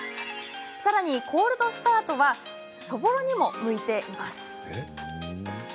さらにコールドスタートはそぼろにも向いています。